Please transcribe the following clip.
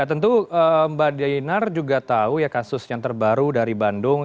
tentu mbak dinar juga tahu ya kasus yang terbaru dari bandung